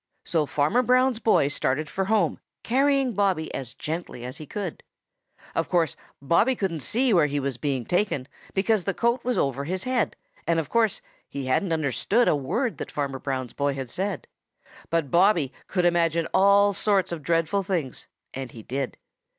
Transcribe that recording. So Farmer Brown's boy started for home, carrying Bobby as gently as he could. Of course Bobby couldn't see where he was being taken, because that coat was over his head, and of course he hadn't understood a word that Farmer Brown's boy had said. But Bobby could imagine all sorts of dreadful things, and he did.